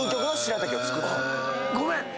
ごめん。